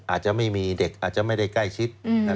อาจจะไม่มีเด็กอาจจะไม่ได้ใกล้ชิด